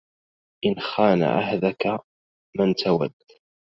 إن خان عهدك من توده